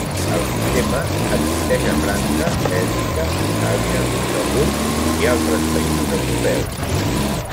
El sistema existeix a França, Bèlgica, Itàlia, Luxemburg i altres països europeus.